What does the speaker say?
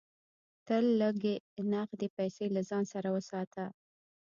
تل لږ نغدې پیسې له ځان سره وساته.